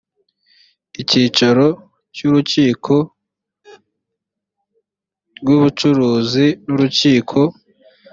icyicaro cy urukiko rw ubucuruzi n urukiko